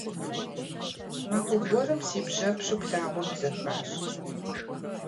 Махуэ гуэрым си бжьэпщу плъагъур бзэхащ.